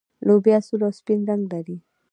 لوبیا سور او سپین رنګ لري.